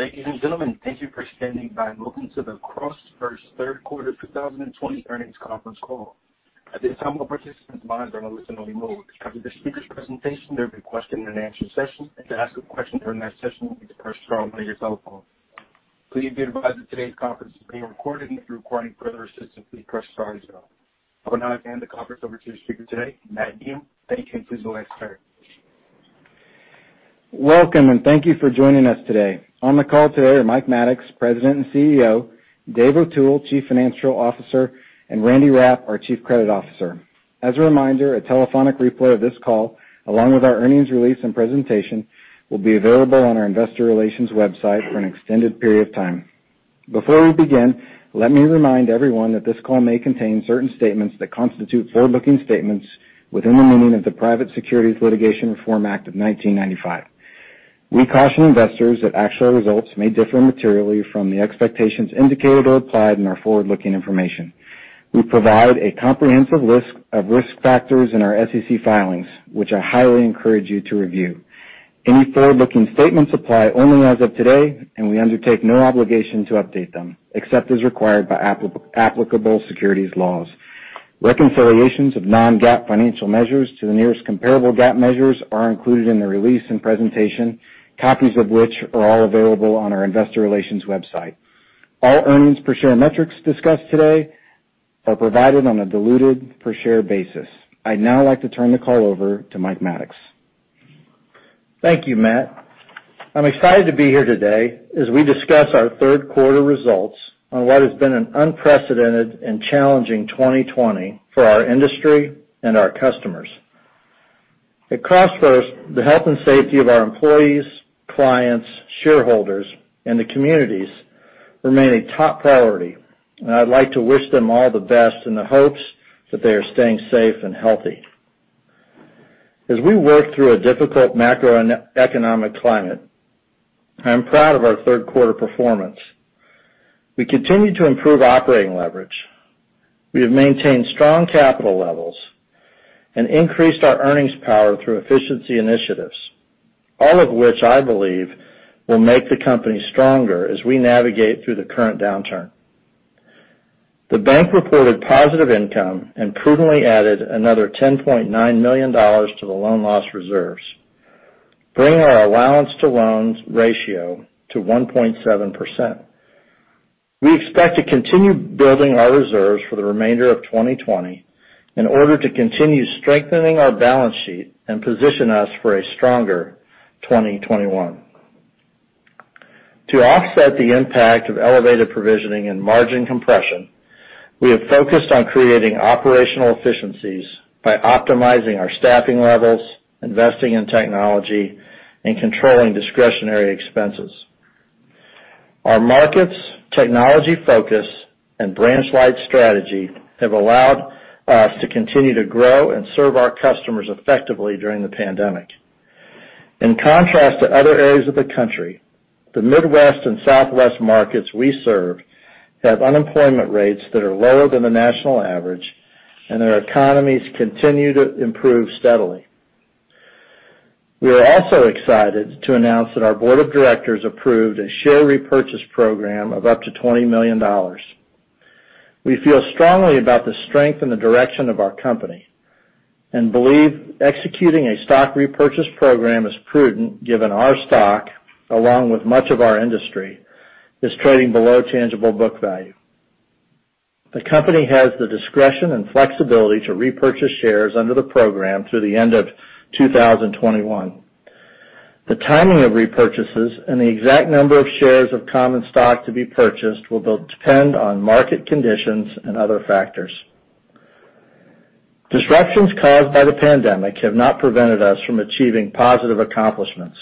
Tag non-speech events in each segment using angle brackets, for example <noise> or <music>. Ladies and gentlemen, thank you for standing by. Welcome to the CrossFirst third quarter 2020 Earnings Conference Call. At this time, all participants' lines are in a listen-only mode. After the speaker's presentation, there will be a question and answer session. To ask a question during that session, you need to press star on your telephone. Please be advised that today's conference is being recorded, and if you're requiring further assistance, please press star zero. I will now hand the conference over to the speaker today, Matt Needham. Thank you, and please go ahead, sir. Welcome, and thank you for joining us today. On the call today are Mike Maddox, President and CEO, Dave O'Toole, Chief Financial Officer, and Randy Rapp, our Chief Credit Officer. As a reminder, a telephonic replay of this call, along with our earnings release and presentation, will be available on our Investor Relations website for an extended period of time. Before we begin, let me remind everyone that this call may contain certain statements that constitute forward-looking statements within the meaning of the Private Securities Litigation Reform Act of 1995. We caution investors that actual results may differ materially from the expectations indicated or implied in our forward-looking information. We provide a comprehensive list of risk factors in our SEC filings, which I highly encourage you to review. Any forward-looking statements apply only as of today, and we undertake no obligation to update them, except as required by applicable securities laws. Reconciliations of non-GAAP financial measures to the nearest comparable GAAP measures are included in the release and presentation, copies of which are all available on our investor relations website. All earnings per share metrics discussed today are provided on a diluted per share basis. I'd now like to turn the call over to Mike Maddox. Thank you, Matt. I'm excited to be here today as we discuss our third quarter results on what has been an unprecedented and challenging 2020 for our industry and our customers. At CrossFirst, the health and safety of our employees, clients, shareholders, and the communities remain a top priority, and I'd like to wish them all the best in the hopes that they are staying safe and healthy. As we work through a difficult macroeconomic climate, I'm proud of our third quarter performance. We continue to improve operating leverage. We have maintained strong capital levels and increased our earnings power through efficiency initiatives, all of which I believe will make the company stronger as we navigate through the current downturn. The bank reported positive income and prudently added another $10.9 million to the loan loss reserves, bringing our allowance to loans ratio to 1.7%. We expect to continue building our reserves for the remainder of 2020 in order to continue strengthening our balance sheet and position us for a stronger 2021. To offset the impact of elevated provisioning and margin compression, we have focused on creating operational efficiencies by optimizing our staffing levels, investing in technology, and controlling discretionary expenses. Our markets, technology focus, and branch-light strategy have allowed us to continue to grow and serve our customers effectively during the pandemic. In contrast to other areas of the country, the Midwest and Southwest markets we serve have unemployment rates that are lower than the national average, and their economies continue to improve steadily. We are also excited to announce that our board of directors approved a share repurchase program of up to $20 million. We feel strongly about the strength and the direction of our company and believe executing a stock repurchase program is prudent given our stock, along with much of our industry, is trading below tangible book value. The company has the discretion and flexibility to repurchase shares under the program through the end of 2021. The timing of repurchases and the exact number of shares of common stock to be purchased will depend on market conditions and other factors. Disruptions caused by the pandemic have not prevented us from achieving positive accomplishments.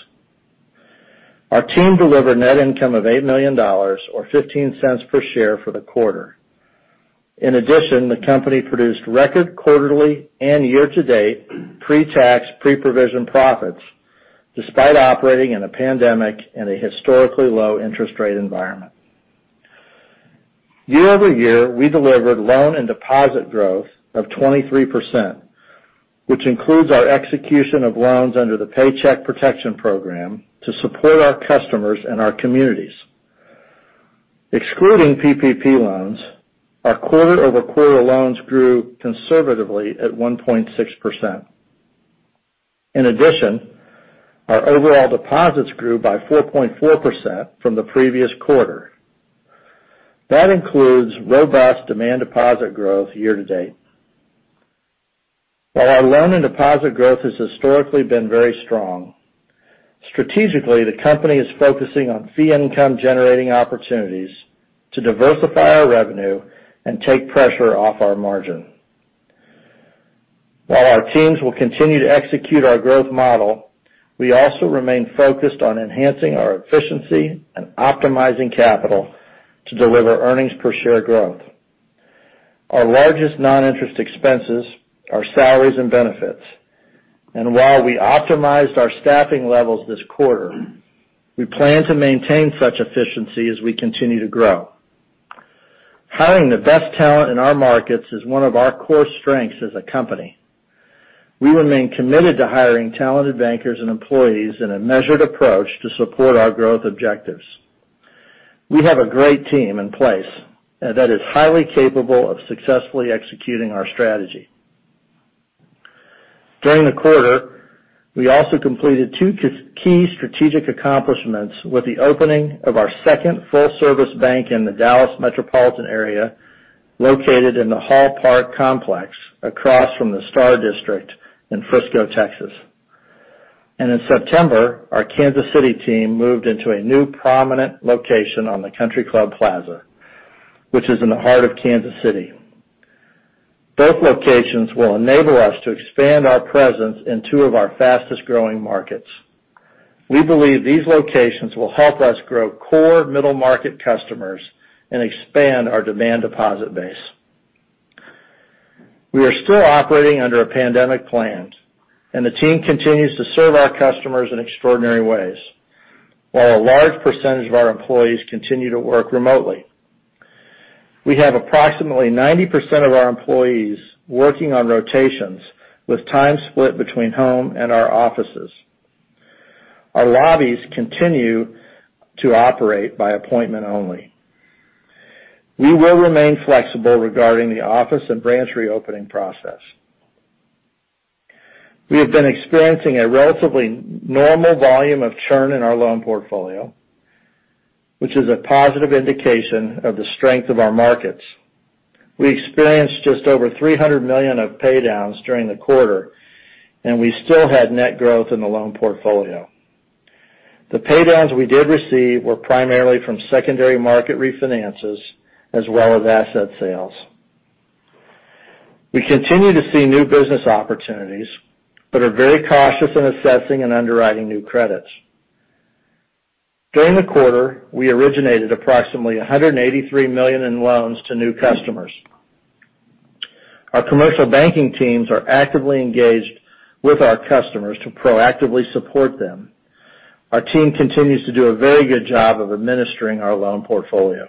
Our team delivered net income of $8 million, or $0.15 per share for the quarter. In addition, the company produced record quarterly and year-to-date pre-tax, pre-provision profits, despite operating in a pandemic and a historically low interest rate environment. Year-over-year, we delivered loan and deposit growth of 23%, which includes our execution of loans under the Paycheck Protection Program to support our customers and our communities. Excluding PPP loans, our quarter-over-quarter loans grew conservatively at 1.6%. In addition, our overall deposits grew by 4.4% from the previous quarter. That includes robust demand deposit growth year-to-date. While our loan and deposit growth has historically been very strong, strategically, the company is focusing on fee income-generating opportunities to diversify our revenue and take pressure off our margin. While our teams will continue to execute our growth model, we also remain focused on enhancing our efficiency and optimizing capital to deliver earnings per share growth. Our largest non-interest expenses are salaries and benefits, and while we optimized our staffing levels this quarter, we plan to maintain such efficiency as we continue to grow. Hiring the best talent in our markets is one of our core strengths as a company. We remain committed to hiring talented bankers and employees in a measured approach to support our growth objectives. We have a great team in place that is highly capable of successfully executing our strategy. During the quarter, we also completed two key strategic accomplishments with the opening of our second full-service bank in the Dallas metropolitan area, located in the Hall Park complex across from the Star District in Frisco, Texas. In September, our Kansas City team moved into a new prominent location on the Country Club Plaza, which is in the Heart of Kansas City. Both locations will enable us to expand our presence in two of our fastest-growing markets. We believe these locations will help us grow core middle-market customers and expand our demand deposit base. We are still operating under a pandemic plan, and the team continues to serve our customers in extraordinary ways, while a large percentage of our employees continue to work remotely. We have approximately 90% of our employees working on rotations with time split between home and our offices. Our lobbies continue to operate by appointment only. We will remain flexible regarding the office and branch reopening process. We have been experiencing a relatively normal volume of churn in our loan portfolio, which is a positive indication of the strength of our markets. We experienced just over $300 million of pay-downs during the quarter, and we still had net growth in the loan portfolio. The pay-downs we did receive were primarily from secondary market refinances as well as asset sales. We continue to see new business opportunities but are very cautious in assessing and underwriting new credits. During the quarter, we originated approximately $183 million in loans to new customers. Our commercial banking teams are actively engaged with our customers to proactively support them. Our team continues to do a very good job of administering our loan portfolio.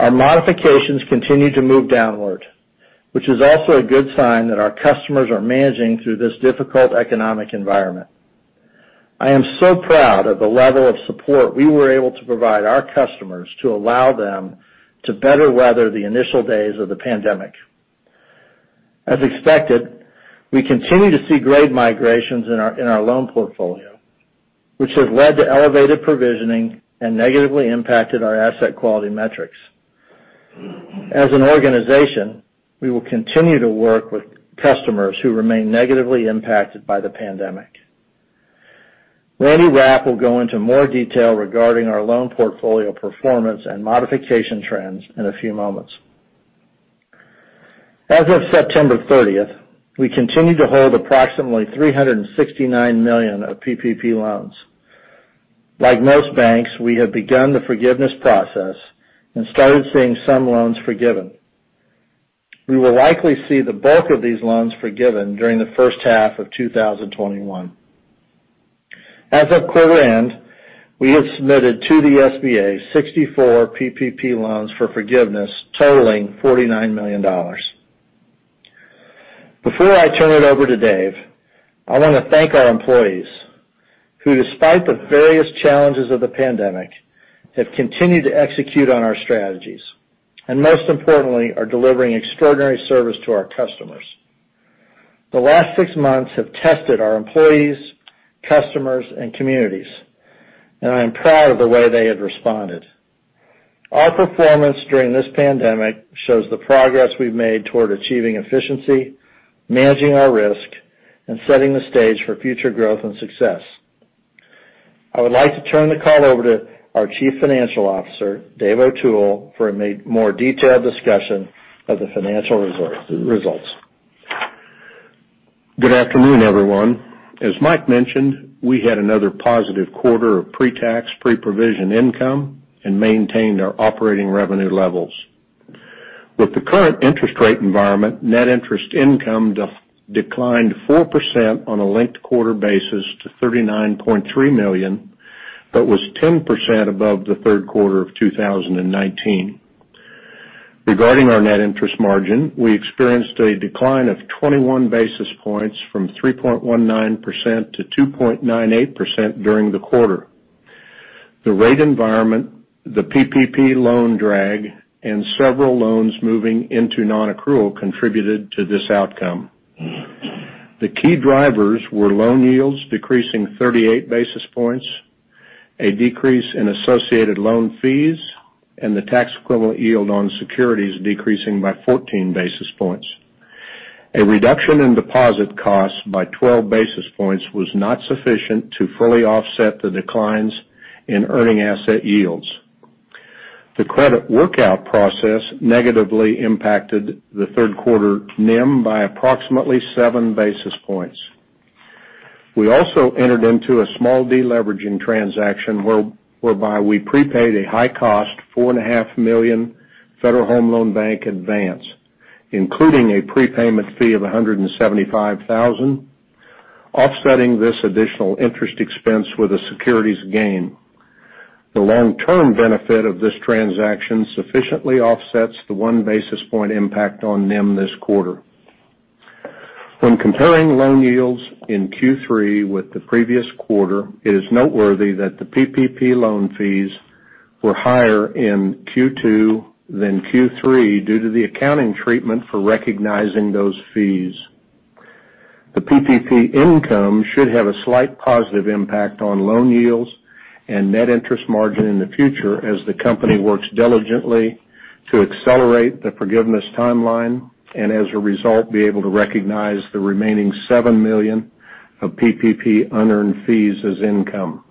Our modifications continue to move downward, which is also a good sign that our customers are managing through this difficult economic environment. I am so proud of the level of support we were able to provide our customers to allow them to better weather the initial days of the pandemic. As expected, we continue to see grade migrations in our loan portfolio, which have led to elevated provisioning and negatively impacted our asset quality metrics. As an organization, we will continue to work with customers who remain negatively impacted by the pandemic. Randy Rapp will go into more detail regarding our loan portfolio performance and modification trends in a few moments. As of September 30th, we continued to hold approximately $369 million of PPP loans. Like most banks, we have begun the forgiveness process and started seeing some loans forgiven. We will likely see the bulk of these loans forgiven during the first half of 2021. As of quarter end, we have submitted to the SBA 64 PPP loans for forgiveness totaling $49 million. Before I turn it over to Dave, I want to thank our employees who, despite the various challenges of the pandemic, have continued to execute on our strategies, and most importantly, are delivering extraordinary service to our customers. The last six months have tested our employees, customers, and communities, and I am proud of the way they have responded. Our performance during this pandemic shows the progress we've made toward achieving efficiency, managing our risk, and setting the stage for future growth and success. I would like to turn the call over to our Chief Financial Officer, Dave O'Toole, for a more detailed discussion of the financial results. Good afternoon, everyone. As Mike mentioned, we had another positive quarter of pre-tax, pre-provision income and maintained our operating revenue levels. With the current interest rate environment, net interest income declined 4% on a linked-quarter basis to $39.3 million, but was 10% above the third quarter of 2019. Regarding our net interest margin, we experienced a decline of 21 basis points from 3.19%-2.98% during the quarter. The rate environment, the PPP loan drag, and several loans moving into non-accrual contributed to this outcome. The key drivers were loan yields decreasing 38 basis points, a decrease in associated loan fees, and the tax-equivalent yield on securities decreasing by 14 basis points. A reduction in deposit costs by 12 basis points was not sufficient to fully offset the declines in earning asset yields. The credit workout process negatively impacted the third quarter NIM by approximately seven basis points. We also entered into a small de-leveraging transaction whereby we prepaid a high-cost $4.5 million Federal Home Loan Bank advance, including a prepayment fee of $175,000, offsetting this additional interest expense with a securities gain. The long-term benefit of this transaction sufficiently offsets the one basis point impact on NIM this quarter. When comparing loan yields in Q3 with the previous quarter, it is noteworthy that the PPP loan fees were higher in Q2 than Q3 due to the accounting treatment for recognizing those fees. The PPP income should have a slight positive impact on loan yields and net interest margin in the future as the company works diligently to accelerate the forgiveness timeline, and as a result, be able to recognize the remaining $7 million of PPP unearned fees as income.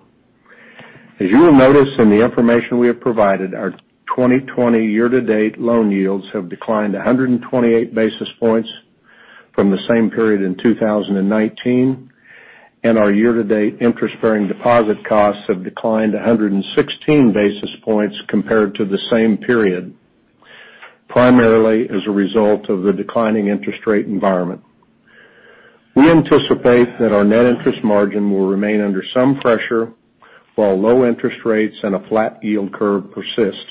As you will notice in the information we have provided, our 2020 year-to-date loan yields have declined 128 basis points from the same period in 2019, and our year-to-date interest-bearing deposit costs have declined 116 basis points compared to the same period, primarily as a result of the declining interest rate environment. We anticipate that our net interest margin will remain under some pressure while low interest rates and a flat yield curve persist.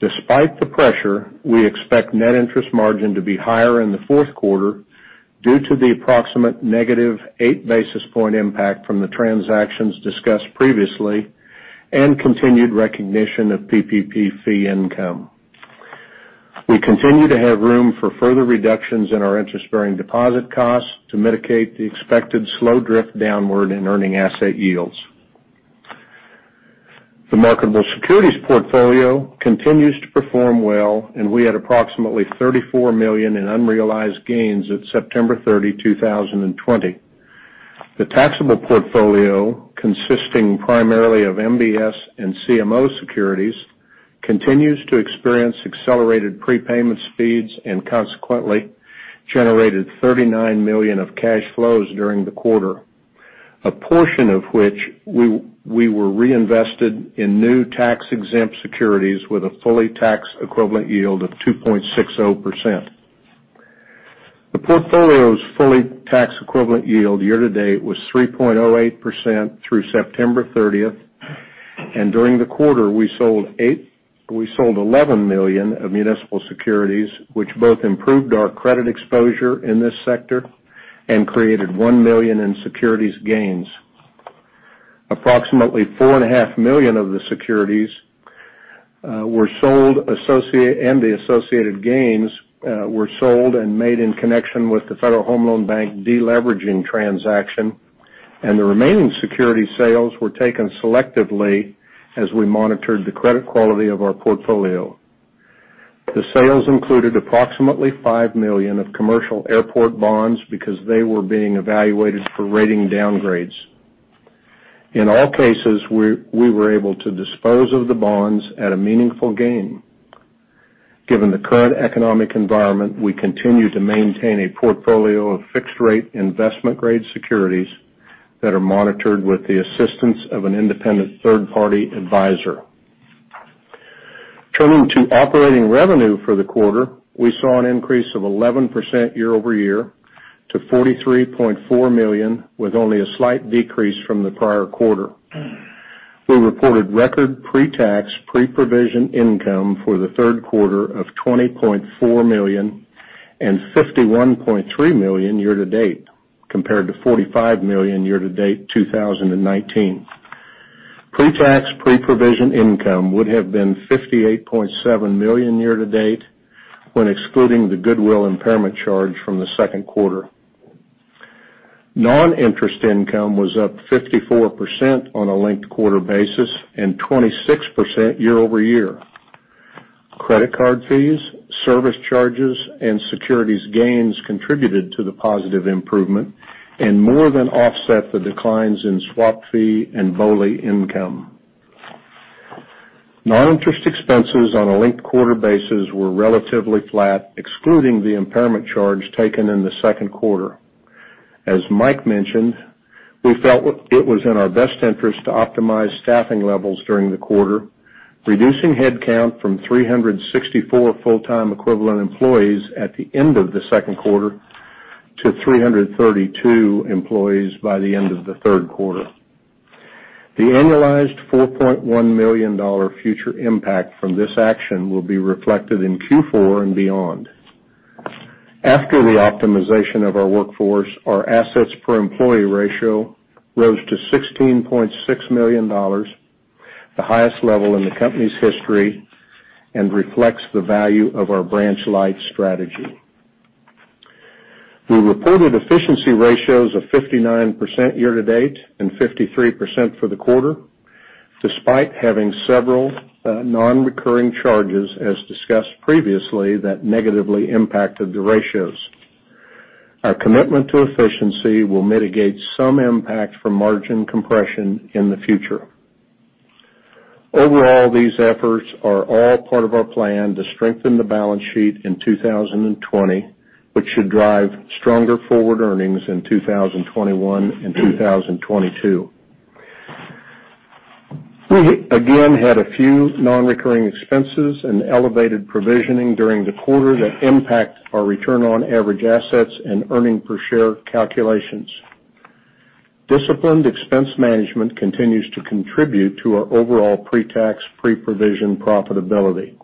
Despite the pressure, we expect net interest margin to be higher in the fourth quarter due to the approximate negative 8 basis point impact from the transactions discussed previously and continued recognition of PPP fee income. We continue to have room for further reductions in our interest-bearing deposit costs to mitigate the expected slow drift downward in earning asset yields. The marketable securities portfolio continues to perform well, and we had approximately $34 million in unrealized gains at September 30, 2020. The taxable portfolio, consisting primarily of MBS and CMO securities, continues to experience accelerated prepayment speeds and consequently generated $39 million of cash flows during the quarter. A portion of which we were reinvested in new tax-exempt securities with a fully tax-equivalent yield of 2.60%. The portfolio's fully tax-equivalent yield year-to-date was 3.08% through September 30th, and during the quarter, we sold $11 million of municipal securities, which both improved our credit exposure in this sector and created $1 million in securities gains. Approximately $4.5 million of the securities and the associated gains were sold and made in connection with the Federal Home Loan Bank de-leveraging transaction, and the remaining security sales were taken selectively as we monitored the credit quality of our portfolio. The sales included approximately $5 million of commercial airport bonds because they were being evaluated for rating downgrades. In all cases, we were able to dispose of the bonds at a meaningful gain. Given the current economic environment, we continue to maintain a portfolio of fixed rate investment-grade securities that are monitored with the assistance of an independent third-party advisor. Turning to operating revenue for the quarter, we saw an increase of 11% year-over-year to $43.4 million with only a slight decrease from the prior quarter. We reported record pre-tax, pre-provision income for the third quarter of $20.4 million and $51.3 million year-to-date, compared to $45 million year-to-date 2019. Pre-tax, pre-provision income would have been $58.7 million year-to-date when excluding the goodwill impairment charge from the second quarter. Non-interest income was up 54% on a linked quarter basis and 26% year-over-year. Credit card fees, service charges, and securities gains contributed to the positive improvement and more than offset the declines in swap fee and BOLI income. Non-interest expenses on a linked quarter basis were relatively flat, excluding the impairment charge taken in the second quarter. As Mike mentioned, we felt it was in our best interest to optimize staffing levels during the quarter, reducing headcount from 364 full-time equivalent employees at the end of the second quarter to 332 employees by the end of the third quarter. The annualized $4.1 million future impact from this action will be reflected in Q4 and beyond. After the optimization of our workforce, our assets per employee ratio rose to $16.6 million, the highest level in the company's history, and reflects the value of our branch light strategy. We reported efficiency ratios of 59% year-to-date and 53% for the quarter, despite having several non-recurring charges, as discussed previously, that negatively impacted the ratios. Our commitment to efficiency will mitigate some impact from margin compression in the future. These efforts are all part of our plan to strengthen the balance sheet in 2020, which should drive stronger forward earnings in 2021 and 2022. We again had a few non-recurring expenses and elevated provisioning during the quarter that impact our return on average assets and earnings per share calculations. Disciplined expense management continues to contribute to our overall pre-tax, pre-provision profitability.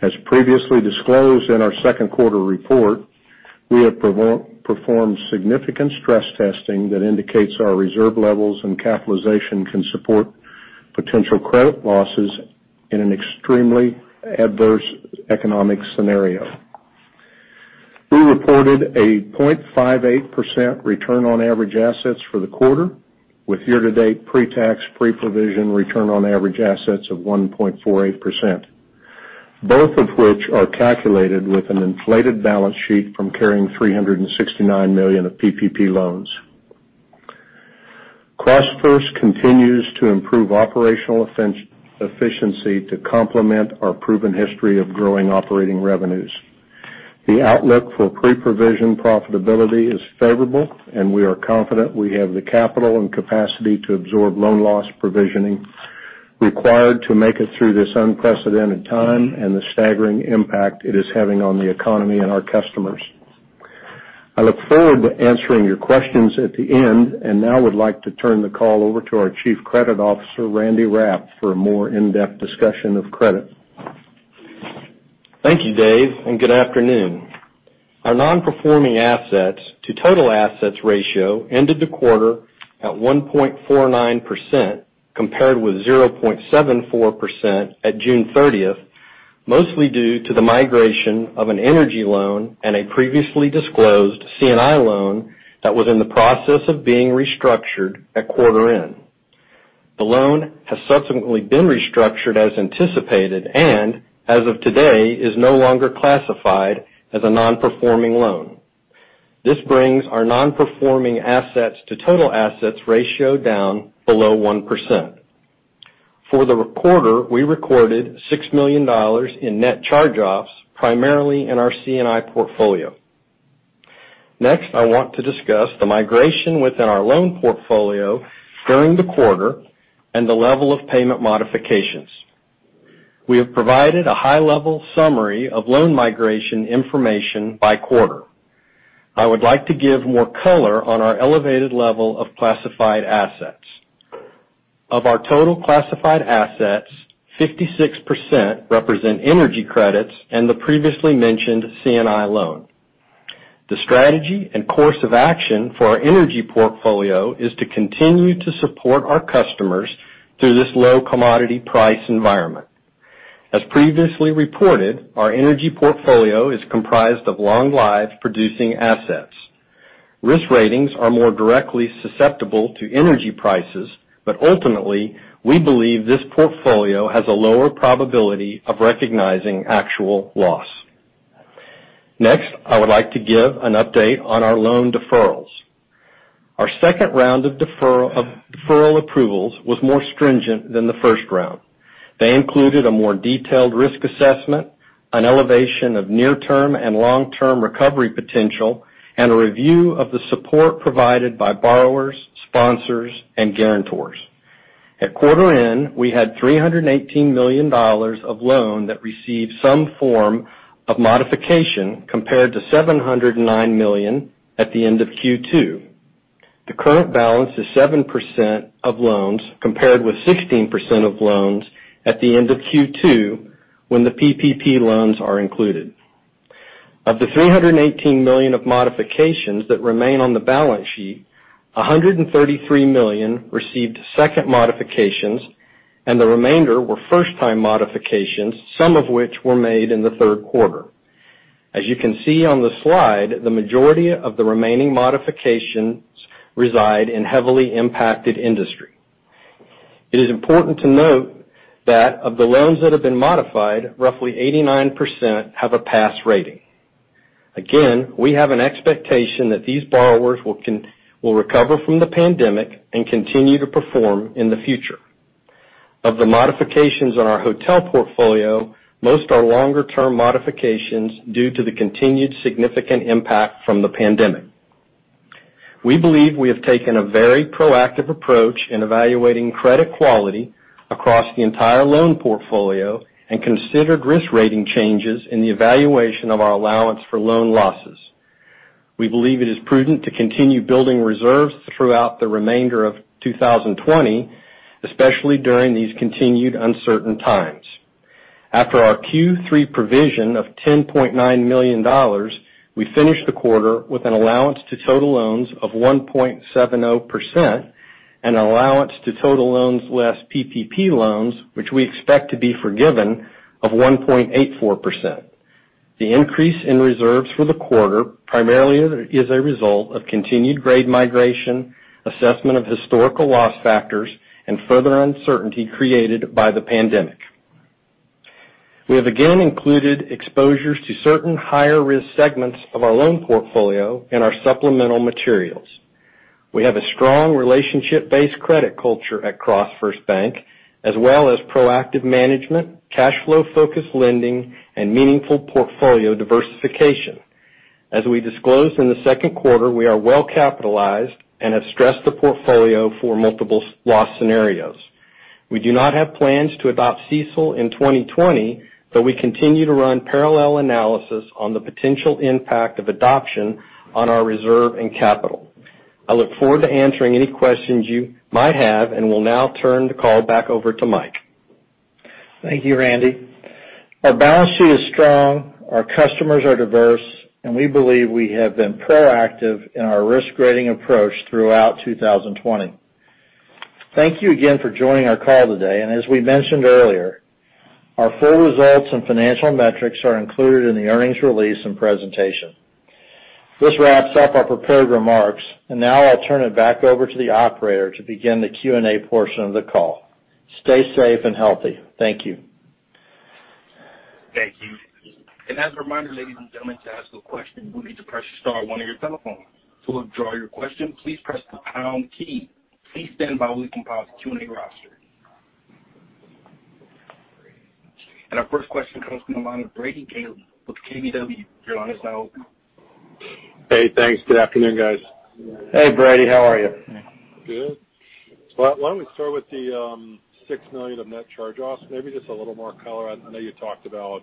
As previously disclosed in our second quarter report, we have performed significant stress testing that indicates our reserve levels and capitalization can support potential credit losses in an extremely adverse economic scenario. We reported a 0.58% return on average assets for the quarter, with year-to-date pre-tax, pre-provision return on average assets of 1.48%, both of which are calculated with an inflated balance sheet from carrying $369 million of PPP loans. CrossFirst continues to improve operational efficiency to complement our proven history of growing operating revenues. The outlook for pre-provision profitability is favorable, and we are confident we have the capital and capacity to absorb loan loss provisioning required to make it through this unprecedented time and the staggering impact it is having on the economy and our customers. I look forward to answering your questions at the end and now would like to turn the call over to our Chief Credit Officer, Randy Rapp, for a more in-depth discussion of credit. Thank you, Dave, and good afternoon. Our non-performing assets to total assets ratio ended the quarter at 1.49%, compared with 0.74% at June 30th, mostly due to the migration of an energy loan and a previously disclosed C&I loan that was in the process of being restructured at quarter end. The loan has subsequently been restructured as anticipated and, as of today, is no longer classified as a non-performing loan. This brings our non-performing assets to total assets ratio down below 1%. For the quarter, we recorded $6 million in net charge-offs, primarily in our C&I portfolio. Next, I want to discuss the migration within our loan portfolio during the quarter and the level of payment modifications. We have provided a high-level summary of loan migration information by quarter. I would like to give more color on our elevated level of classified assets. Of our total classified assets, 56% represent energy credits and the previously mentioned C&I loan. The strategy and course of action for our energy portfolio is to continue to support our customers through this low commodity price environment. As previously reported, our energy portfolio is comprised of long-lived producing assets. Risk ratings are more directly susceptible to energy prices, but ultimately, we believe this portfolio has a lower probability of recognizing actual loss. Next, I would like to give an update on our loan deferrals. Our second round of deferral approvals was more stringent than the first round. They included a more detailed risk assessment, an elevation of near-term and long-term recovery potential, and a review of the support provided by borrowers, sponsors, and guarantors. At quarter end, we had $318 million of loan that received some form of modification, compared to $709 million at the end of Q2. The current balance is 7% of loans, compared with 16% of loans at the end of Q2 when the PPP loans are included. Of the $318 million of modifications that remain on the balance sheet, $133 million received second modifications, and the remainder were first-time modifications, some of which were made in the third quarter. As you can see on the slide, the majority of the remaining modifications reside in heavily impacted industry. It is important to note that of the loans that have been modified, roughly 89% have a pass rating. Again, we have an expectation that these borrowers will recover from the pandemic and continue to perform in the future. Of the modifications on our hotel portfolio, most are longer-term modifications due to the continued significant impact from the pandemic. We believe we have taken a very proactive approach in evaluating credit quality across the entire loan portfolio and considered risk rating changes in the evaluation of our allowance for loan losses. We believe it is prudent to continue building reserves throughout the remainder of 2020, especially during these continued uncertain times. After our Q3 provision of $10.9 million, we finished the quarter with an allowance to total loans of 1.70% and an allowance to total loans less PPP loans, which we expect to be forgiven, of 1.84%. The increase in reserves for the quarter primarily is a result of continued grade migration, assessment of historical loss factors, and further uncertainty created by the pandemic. We have again included exposures to certain higher-risk segments of our loan portfolio in our supplemental materials. We have a strong relationship-based credit culture at CrossFirst Bank, as well as proactive management, cash flow-focused lending, and meaningful portfolio diversification. As we disclosed in the second quarter, we are well capitalized and have stressed the portfolio for multiple loss scenarios. We do not have plans to adopt CECL in 2020, but we continue to run parallel analysis on the potential impact of adoption on our reserve and capital. I look forward to answering any questions you might have, and will now turn the call back over to Mike. Thank you, Randy. Our balance sheet is strong, our customers are diverse, and we believe we have been proactive in our risk-grading approach throughout 2020. Thank you again for joining our call today. As we mentioned earlier, our full results and financial metrics are included in the earnings release and presentation. This wraps up our prepared remarks, and now I'll turn it back over to the operator to begin the Q&A portion of the call. Stay safe and healthy. Thank you. Thank you. Our first question comes from the line of Brady Gailey with KBW. Your line is now open. Hey, thanks. Good afternoon, guys. Hey, Brady. How are you? Good. Why don't we start with the $6 million of net charge-offs? Maybe just a little more color. I know you talked about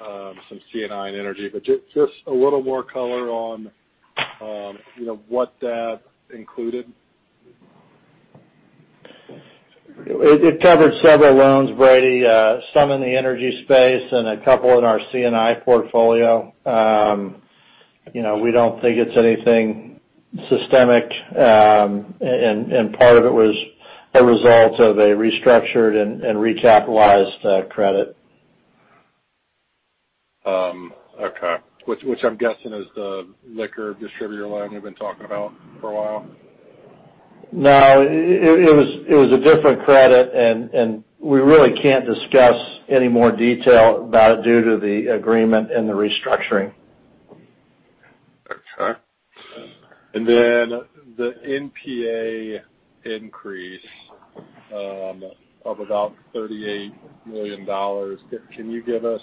some C&I and energy, but just a little more color on what that included. It covered several loans, Brady, some in the energy space and a couple in our C&I portfolio. Part of it was a result of a restructured and recapitalized credit. Okay. Which I'm guessing is the liquor distributor loan you've been talking about for a while? No. It was a different credit, and we really can't discuss any more detail about it due to the agreement and the restructuring. Okay. The NPA increase of about $38 million, can you give us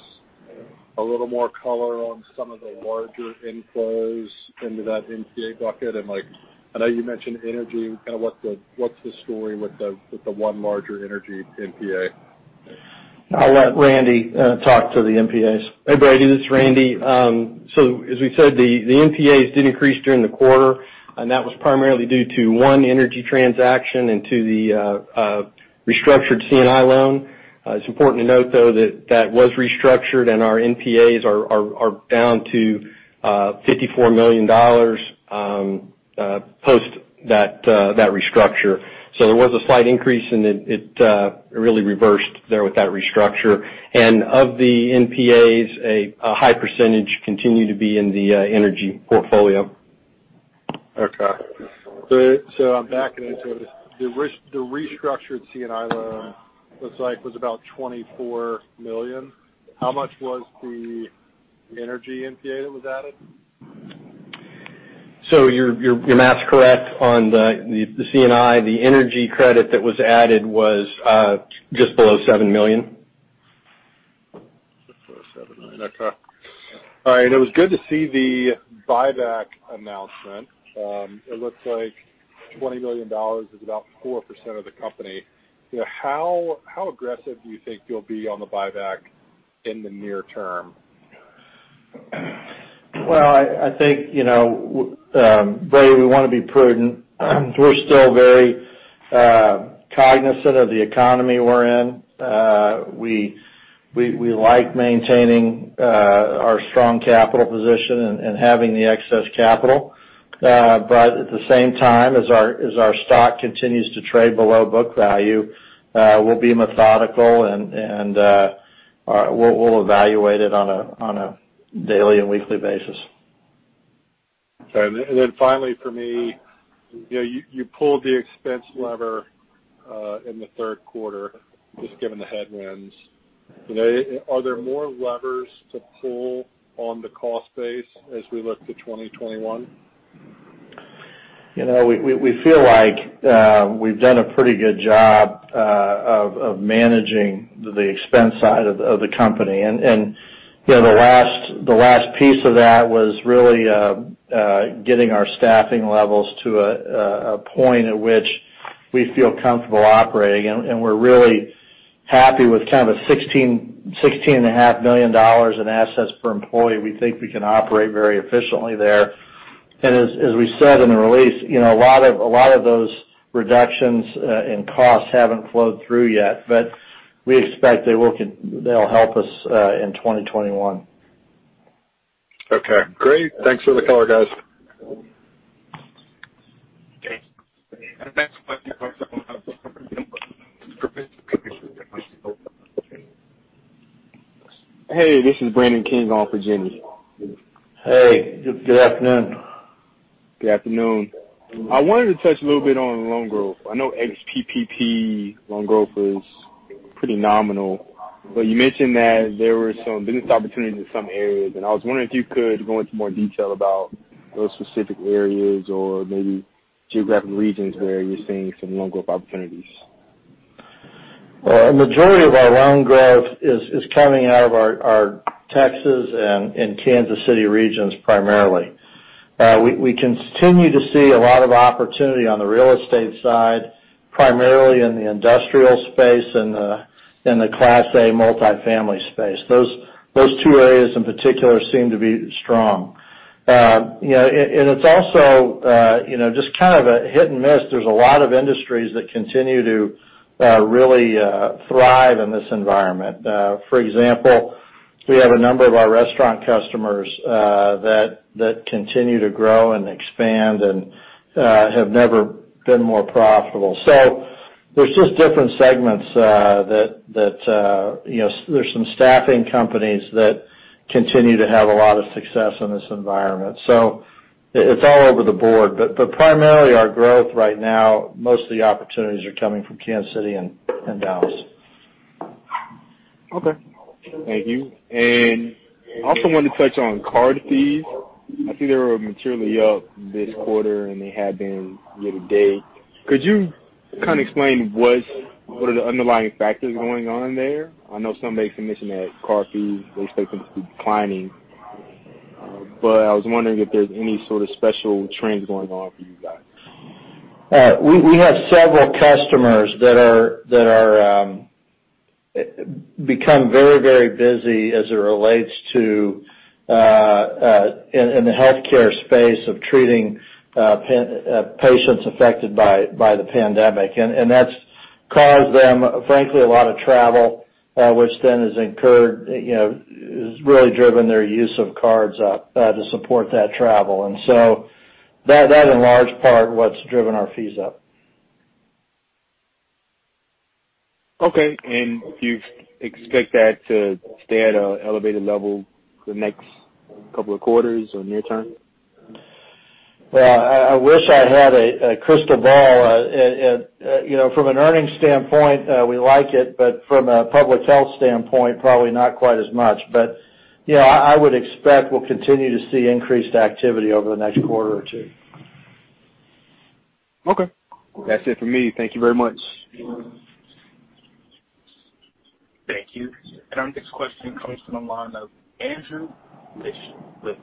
a little more color on some of the larger inflows into that NPA bucket? I know you mentioned energy, what's the story with the one larger energy NPA? I'll let Randy talk to the NPAs. Hey, Brady, this is Randy. As we said, the NPAs did increase during the quarter, and that was primarily due to one energy transaction and to the restructured C&I loan. It's important to note, though, that that was restructured, and our NPAs are down to $54 million post that restructure. There was a slight increase, and it really reversed there with that restructure. Of the NPAs, a high percentage continue to be in the energy portfolio. Okay. I'm back into it. The restructured C&I loan looks like was about $24 million. How much was the energy NPA that was added? Your math's correct on the C&I. The energy credit that was added was just below $7 million. Just below $7 million. Okay. All right. It was good to see the buyback announcement. It looks like $20 million is about 4% of the company. How aggressive do you think you'll be on the buyback in the near term? Well, I think, Brady, we want to be prudent. We're still very cognizant of the economy we're in. We like maintaining our strong capital position and having the excess capital. At the same time, as our stock continues to trade below book value, we'll be methodical, and we'll evaluate it on a daily and weekly basis. Finally for me, you pulled the expense lever in the third quarter, just given the headwinds. Are there more levers to pull on the cost base as we look to 2021? We feel like we've done a pretty good job of managing the expense side of the company. The last piece of that was really getting our staffing levels to a point at which we feel comfortable operating, and we're really happy with $16.5 million in assets per employee. We think we can operate very efficiently there. As we said in the release, a lot of those reductions in costs haven't flowed through yet, but we expect they'll help us in 2021. Okay, great. Thanks for the color, guys. Okay. Our next question comes from the line of <audio distortion> Brandon King with <audio distortion> Hey, good afternoon. Good afternoon. I wanted to touch a little bit on loan growth. I know ex-PPP loan growth was pretty nominal, but you mentioned that there were some business opportunities in some areas, and I was wondering if you could go into more detail about those specific areas or maybe geographic regions where you're seeing some loan growth opportunities. Well, a majority of our loan growth is coming out of our Texas and Kansas City regions primarily. We continue to see a lot of opportunity on the real estate side, primarily in the industrial space and the Class A multifamily space. Those two areas in particular seem to be strong. It's also just kind of a hit-and-miss. There's a lot of industries that continue to really thrive in this environment. For example, we have a number of our restaurant customers that continue to grow and expand and have never been more profitable. There's just different segments. There's some staffing companies that continue to have a lot of success in this environment. It's all over the board. Primarily our growth right now, most of the opportunities are coming from Kansas City and Dallas. Okay. Thank you. Also wanted to touch on card fees. I see they were materially up this quarter, and they have been year to date. Could you kind of explain what are the underlying factors going on there? I know somebody mentioned that card fees, they expect them to be declining, but I was wondering if there's any sort of special trends going on for you guys. We have several customers that have become very busy as it relates to, in the healthcare space of treating patients affected by the pandemic. That's caused them, frankly, a lot of travel, which then has really driven their use of cards up to support that travel. That in large part is what's driven our fees up. Okay. Do you expect that to stay at an elevated level the next couple of quarters or near term? Well, I wish I had a crystal ball. From an earnings standpoint, we like it, but from a public health standpoint, probably not quite as much. I would expect we'll continue to see increased activity over the next quarter or two. Okay. That's it for me. Thank you very much. Thank you. Our next question comes from the line of Andrew Liesch with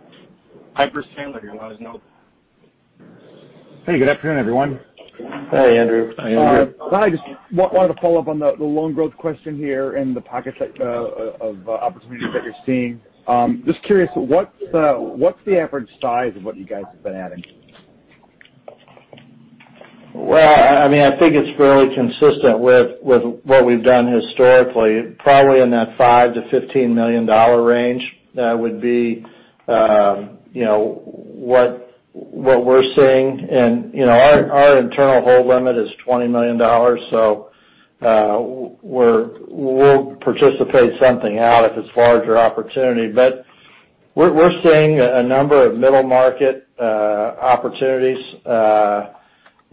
Piper Sandler. You may now ask. Hey, good afternoon, everyone. Hi, Andrew. Hi, Andrew. I just wanted to follow up on the loan growth question here and the pockets of opportunities that you're seeing. Just curious, what's the average size of what you guys have been adding? Well, I think it's fairly consistent with what we've done historically. Probably in that $5 million-$15 million range would be what we're seeing. Our internal hold limit is $20 million. We'll participate something out if it's a larger opportunity. We're seeing a number of middle-market opportunities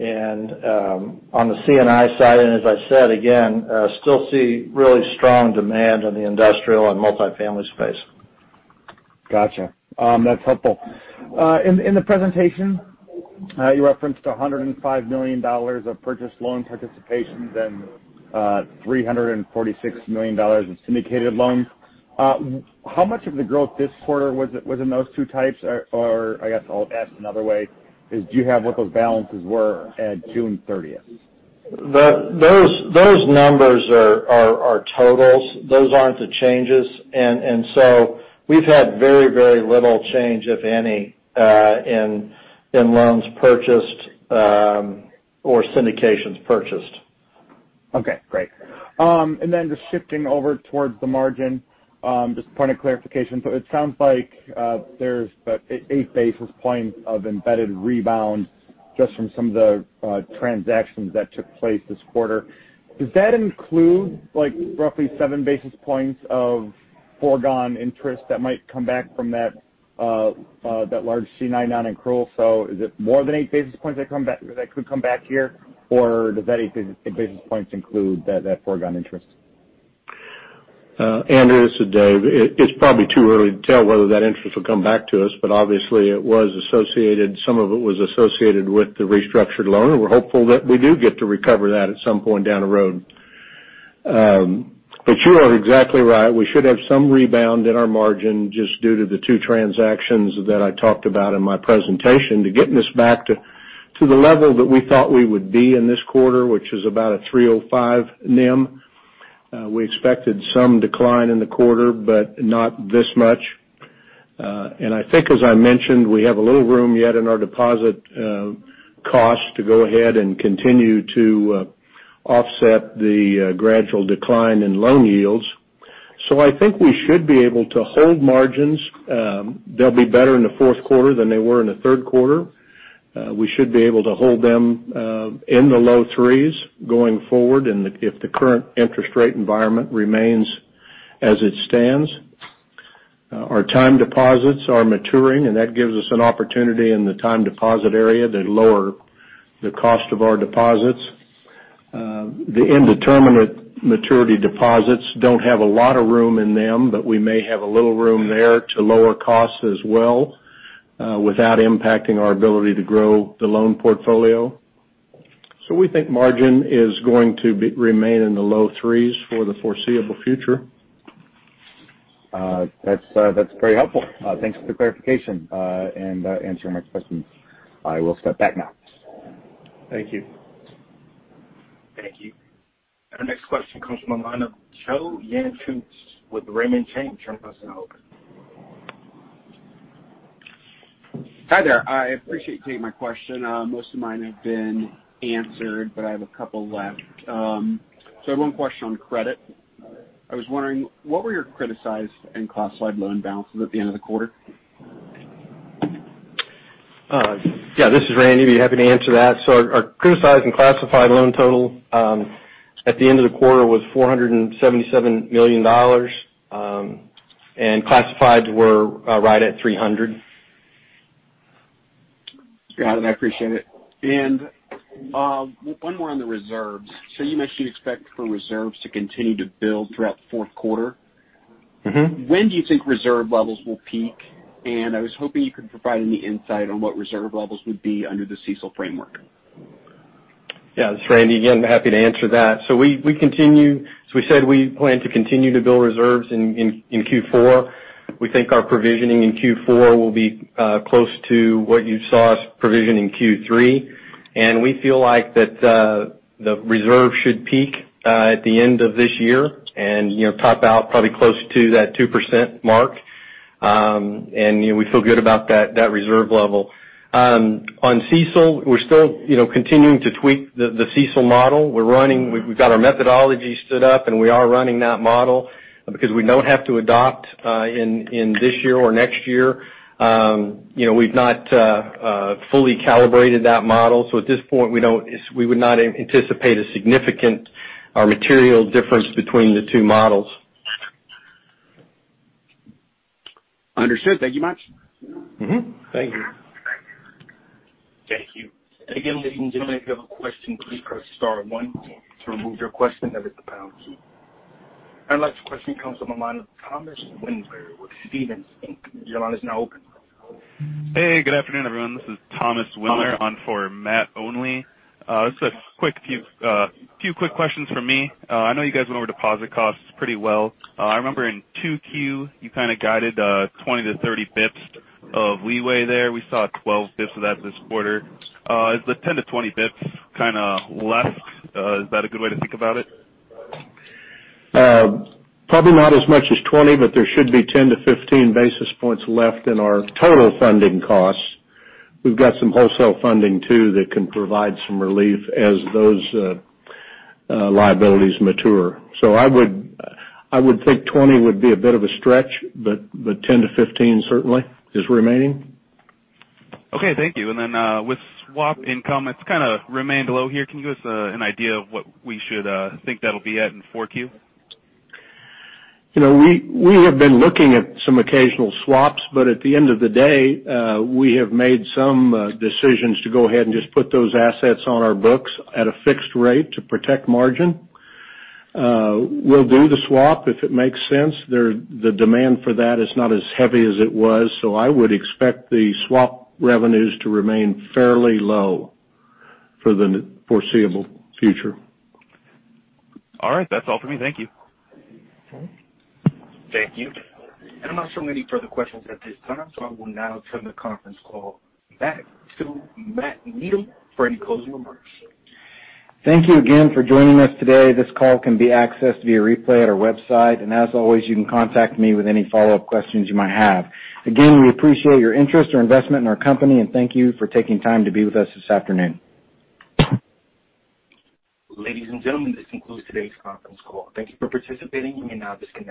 on the C&I side, and as I said, again, still see really strong demand on the industrial and multifamily space. Got you. That's helpful. In the presentation, you referenced $105 million of purchased loan participations and $346 million in syndicated loans. How much of the growth this quarter was in those two types? I guess I'll ask another way, do you have what those balances were at June 30th? Those numbers are totals. Those aren't the changes. We've had very little change, if any, in loans purchased or syndications purchased. Okay, great. Just shifting over towards the margin, just a point of clarification. It sounds like there's eight basis points of embedded rebound just from some of the transactions that took place this quarter. Does that include roughly seven basis points of foregone interest that might come back from that large C&I non-accrual? Is it more than eight basis points that could come back here? Does that eight basis points include that foregone interest? Andrew, this is Dave. It's probably too early to tell whether that interest will come back to us, but obviously, some of it was associated with the restructured loan, and we're hopeful that we do get to recover that at some point down the road. You are exactly right. We should have some rebound in our margin just due to the two transactions that I talked about in my presentation to getting us back to the level that we thought we would be in this quarter, which is about a 305 NIM. We expected some decline in the quarter, but not this much. I think as I mentioned, we have a little room yet in our deposit cost to go ahead and continue to offset the gradual decline in loan yields. I think we should be able to hold margins. They'll be better in the fourth quarter than they were in the third quarter. We should be able to hold them in the low threes going forward and if the current interest rate environment remains as it stands. Our time deposits are maturing, and that gives us an opportunity in the time deposit area to lower the cost of our deposits. The indeterminate maturity deposits don't have a lot of room in them, but we may have a little room there to lower costs as well. Without impacting our ability to grow the loan portfolio. We think margin is going to remain in the low threes for the foreseeable future. That's very helpful. Thanks for the clarification, and answering my questions. I will step back now. Thank you. Thank you. Our next question comes from the line of Joseph Yanchunis with Raymond James. Your line is now open. Hi there. I appreciate you taking my question. Most of mine have been answered, but I have a couple left. I have one question on credit. I was wondering, what were your criticized and classified loan balances at the end of the quarter? Yeah, this is Randy. I'd be happy to answer that. Our criticized and classified loan total, at the end of the quarter was $477 million, and classifieds were right at $300 million. Got it. I appreciate it. One more on the reserves. You mentioned you expect for reserves to continue to build throughout the fourth quarter. When do you think reserve levels will peak? I was hoping you could provide any insight on what reserve levels would be under the CECL framework. Yeah. This is Randy again. Happy to answer that. We said we plan to continue to build reserves in Q4. We think our provisioning in Q4 will be close to what you saw us provision in Q3. We feel like that the reserve should peak at the end of this year and top out probably close to that 2% mark. We feel good about that reserve level. On CECL, we're still continuing to tweak the CECL model. We've got our methodology stood up, and we are running that model because we don't have to adopt in this year or next year. We've not fully calibrated that model. At this point, we would not anticipate a significant or material difference between the two models. Understood. Thank you much. Thank you. Thank you. Again, ladies and gentlemen, if you have a question, please press star one. To remove your question, that is the pound key. Our next question comes from the line of Thomas Wendler with Stephens Inc. Your line is now open. Hey, good afternoon, everyone. This is Thomas Wendler on for Matt Olney. Just a few quick questions from me. I know you guys know our deposit costs pretty well. I remember in 2Q, you kind of guided 20 to 30 basis points of leeway there. We saw 12 basis points of that this quarter. Is the 10 to 20 basis points kind of left? Is that a good way to think about it? Probably not as much as 20, there should be 10 to 15 basis points left in our total funding costs. We've got some wholesale funding too that can provide some relief as those liabilities mature. I would think 20 would be a bit of a stretch, 10 to 15 certainly is remaining. Okay, thank you. With swap income, it's kind of remained low here. Can you give us an idea of what we should think that'll be at in 4Q? We have been looking at some occasional swaps, but at the end of the day, we have made some decisions to go ahead and just put those assets on our books at a fixed rate to protect margin. We'll do the swap if it makes sense. The demand for that is not as heavy as it was, so I would expect the swap revenues to remain fairly low for the foreseeable future. All right. That's all for me. Thank you. Okay. Thank you. I'm not showing any further questions at this time. I will now turn the conference call back to Matt Needham for any closing remarks. Thank you again for joining us today. This call can be accessed via replay at our website. As always, you can contact me with any follow-up questions you might have. Again, we appreciate your interest or investment in our company, and thank you for taking time to be with us this afternoon. Ladies and gentlemen, this concludes today's conference call. Thank you for participating. You may now disconnect.